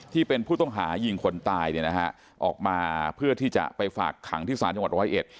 ที่เป็นผู้ต้องหายิงคนตายเนี่ยนะฮะออกมาเพื่อที่จะไปฝากขังที่ศาลจังหวัดร้อยเอ็ด